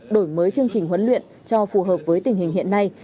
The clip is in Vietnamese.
đổi mới chương trình huấn luyện cho phù hợp với tình hình hiện nay